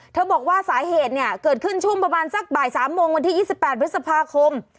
บอกว่าสาเหตุเนี่ยเกิดขึ้นช่วงประมาณสักบ่าย๓โมงวันที่๒๘พฤษภาคม